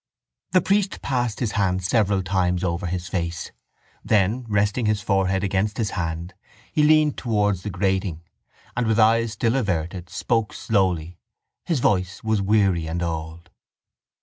The priest passed his hand several times over his face. Then, resting his forehead against his hand, he leaned towards the grating and, with eyes still averted, spoke slowly. His voice was weary and old.